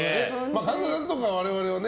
神田さんとか我々はね。